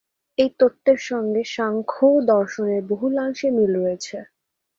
এই তত্ত্বের সঙ্গে সাংখ্য দর্শনের বহুলাংশে মিল রয়েছে।